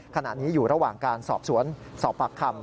ขณะนี้อยู่ระหว่างการสอบสวนสอบปากคำ